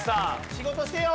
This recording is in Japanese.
仕事してよ！